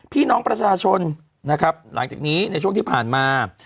พี่น้องประชาชนนะครับหลังจากนี้ในช่วงที่ผ่านมา